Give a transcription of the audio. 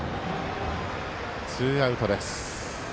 ツーアウトです。